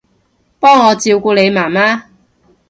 幫我照顧你媽媽